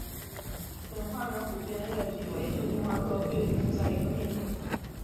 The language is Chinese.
粉花软骨边越桔为杜鹃花科越桔属下的一个变种。